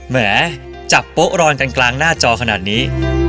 แหมจับโป๊ะรอนกันกลางหน้าจอขนาดนี้